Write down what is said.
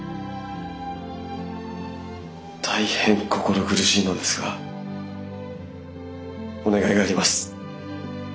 大変心苦しいのですがお願いがあります。